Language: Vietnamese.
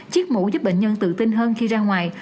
chiếc mũ giúp bệnh nhân tự tin hơn khi ra ngoài